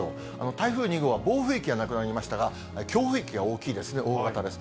台風２号は暴風域がなくなりましたが、強風域が大きいですね、大型です。